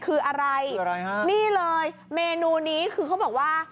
คืออะไรฮะนี่เลยเมนูนี้คือเขาบอกว่า